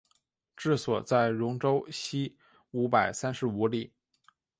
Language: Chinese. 治所在戎州西五百三十五里。